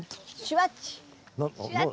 シュワッチ！